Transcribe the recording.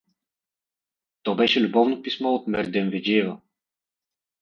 То беше любовно писмо от Мердевенджиева.